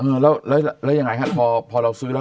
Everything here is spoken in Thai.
เออแล้วแล้วยังไงฮะพอเราซื้อแล้ว